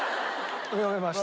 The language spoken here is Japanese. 読めました。